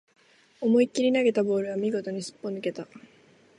思いっきり投げたボールは見事にすっぽ抜けた